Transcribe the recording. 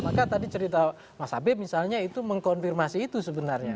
maka tadi cerita mas abe misalnya itu mengkonfirmasi itu sebenarnya